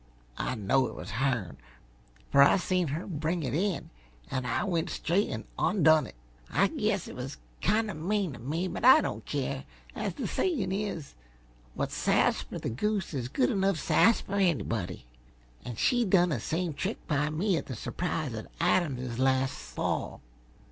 I know it was hern, fer I seen her bring it in, an' I went straight an' ondone it. I guess it was kinda mean uh me, but I don't care as the sayin' is: 'What's sass fer the goose is good enough sass fer anybody' an' she done the same trick by me, at the su'prise at Adamses last fall.